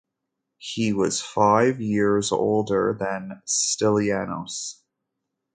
He was five years older than Stylianos.